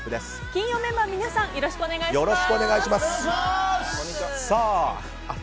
金曜メンバーの皆さんよろしくお願いします。